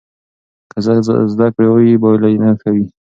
که زده کړه ښکلې وي پایله یې ښه وي.